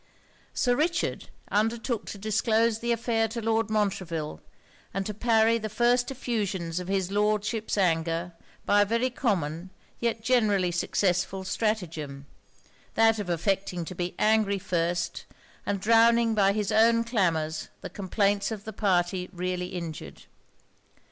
Sir Richard undertook to disclose the affair to Lord Montreville, and to parry the first effusions of his Lordship's anger by a very common, yet generally successful stratagem, that of affecting to be angry first, and drowning by his own clamours the complaints of the party really injured.